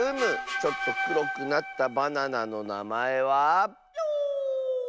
ちょっとくろくなったバナナのなまえは。